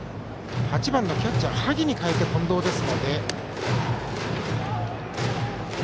８番のキャッチャー萩に代えて近藤です。